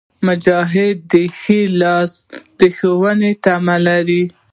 مجاهد د ښې لارې د ښوونې تمه لري.